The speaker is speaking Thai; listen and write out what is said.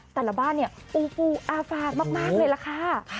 แต่ละบ้านเนี่ยปูอาฟากมากเลยล่ะค่ะ